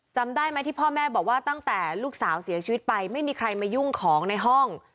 จำได้ไหมที่พ่อแม่บอกว่าตั้งแต่ลูกสาวเสียชีวิตไปไม่มีใครมายุ่งของในห้อง